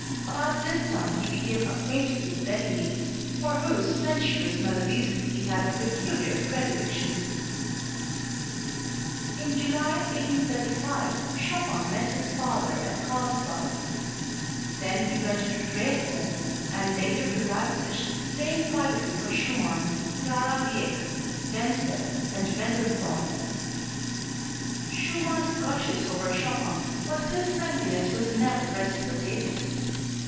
About this time he became acquainted with Bellini, for whose sensuous melodies he had a peculiar predilection. In July, 1835, Chopin met his father at Carlsbad. Then he went to Dresden and later to Leipzig, playing privately for Schumann, Clara Wieck, Wenzel and Mendelssohn. Schumann gushes over Chopin, but this friendliness was never reciprocated.